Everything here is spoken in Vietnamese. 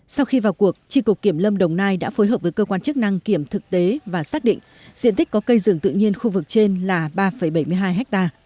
sau khi vào cuộc tri cục kiểm lâm đồng nai đã phối hợp với cơ quan chức năng kiểm thực tế và xác định diện tích có cây rừng tự nhiên khu vực trên là ba bảy mươi hai ha